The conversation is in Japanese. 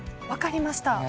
分かりました。